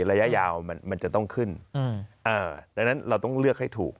ระยะยาวมันจะต้องขึ้นดังนั้นเราต้องเลือกให้ถูก